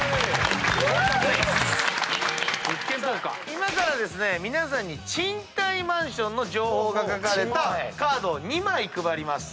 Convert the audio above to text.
今から皆さんに賃貸マンションの情報が書かれたカードを２枚配ります。